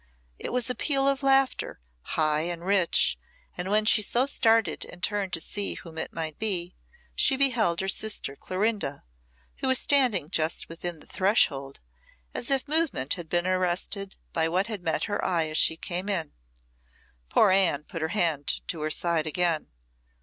It was a peal of laughter, high and rich, and when she so started and turned to see whom it might be, she beheld her sister Clorinda, who was standing just within the threshold, as if movement had been arrested by what had met her eye as she came in. Poor Anne put her hand to her side again.